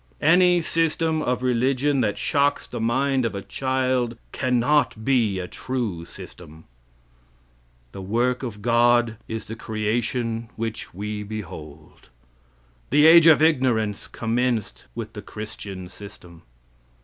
"Any system of religion that shocks the mind of a child can not be a true system. "The work of God is the creation which we behold. "The age of ignorance commenced with the Christian system.